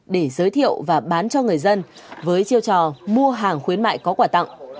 để giới thiệu và bán cho người dân với chiêu trò mua hàng khuyến mại có quà tặng